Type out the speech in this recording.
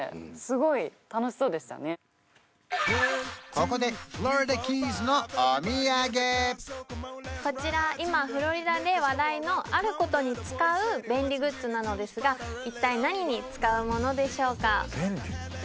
このここでフロリダキーズのお土産こちら今フロリダで話題のあることに使う便利グッズなのですが一体何に使うものでしょうか？